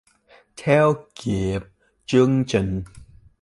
Theo kịp chương trình